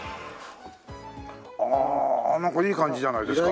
ああなんかいい感じじゃないですか。